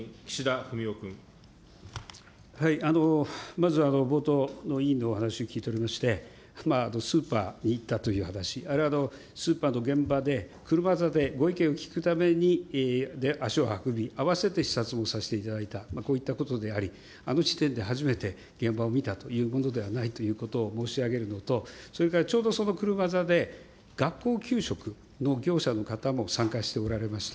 まず、冒頭の委員のお話聞いておりまして、スーパーに行ったという話、あれはスーパーの現場で、車座でご意見を聞くために足を運び、併せて視察もさせていただいた、こういったことであり、あの時点で初めて現場を見たというものではないということを申し上げるのと、それからちょうどその車座で、学校給食の業者の方も参加しておられました。